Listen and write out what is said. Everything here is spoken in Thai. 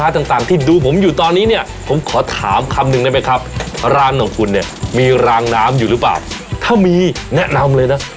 ถ้าร้านของคุณเนี่ยมีรางน้ำอยู่หรือเปล่าถ้ามีแนะนำเลยนะ